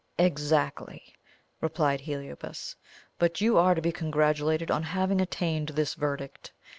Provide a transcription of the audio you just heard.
"Exactly!" replied Heliobas. "But you are to be congratulated on having attained this verdict.